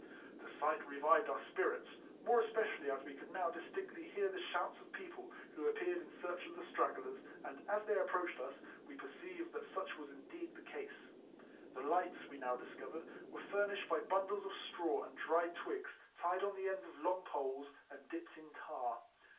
The sight revived our spirits, more especi ally as we could now distinctly hear the shouts of people, who appeared in search of the stragglers, and as they approached us, we perceived that such was indeed the case. The lights, we now discovered, were fur nished by bundles of straw and dried twigs, tied on the ends of long poles, and dipped in tar.